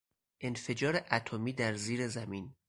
انفجار اتمی در زیر زمین